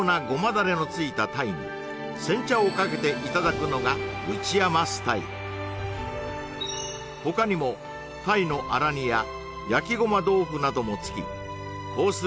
だれのついた鯛に煎茶をかけていただくのがうち山スタイル他にも鯛のあら煮や焼きごま豆腐なども付きコース